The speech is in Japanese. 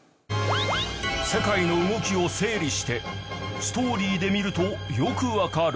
世界の動きを整理してストーリーで見るとよくわかる